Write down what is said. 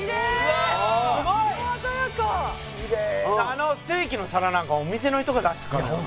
あのステーキの皿なんかお店の人が出した感じだよな。